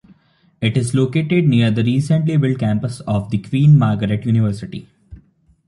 It is located near the recently built campus of the Queen Margaret University.